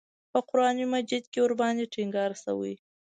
په قران مجید کې ورباندې ټینګار شوی.